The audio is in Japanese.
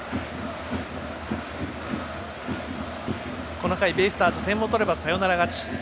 この回、ベイスターズ点を取ればサヨナラ勝ち。